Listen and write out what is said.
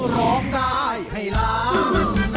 ร้องได้ให้ล้าน